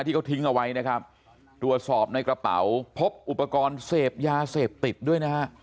ที่เขาทิ้งเอาไว้นะครับตรวจสอบในกระเป๋าพบอุปกรณ์เสพยาเสพติดด้วยนะฮะ